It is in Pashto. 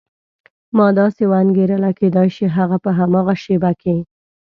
ما داسې وانګېرله کېدای شي هغه په هماغه شېبه کې.